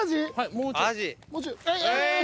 もうちょい。